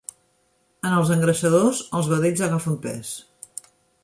En els engreixadors, els vedells agafen pes.